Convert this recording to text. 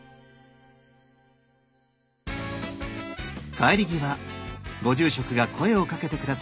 帰り際ご住職が声をかけて下さいました。